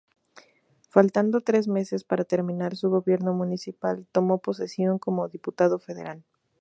Faltando tres meses para terminar su gobierno municipal tomó posesión como Diputado Federal.